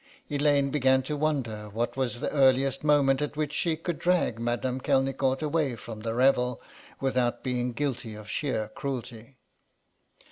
Elaine began to wonder what was the earliest moment at which she could drag Madame Kelnicort away from the revel without being guilty of sheer cruelty.